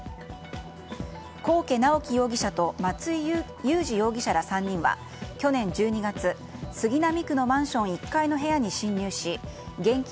幸家直樹容疑者と松居勇志容疑者ら３人は去年１２月、杉並区のマンション１階の部屋に侵入し現金